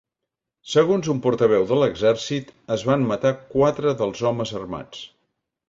Segons un portaveu de l'exèrcit, es van matar quatre dels homes armats.